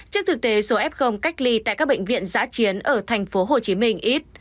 trước thực tế số f cách ly tại các bệnh viện giã chiến ở tp hcm ít